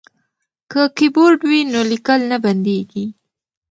که کیبورډ وي نو لیکل نه بندیږي.